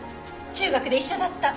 中学で一緒だった。